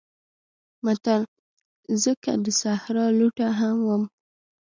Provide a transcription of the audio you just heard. متل: زه که د صحرا لوټه هم یم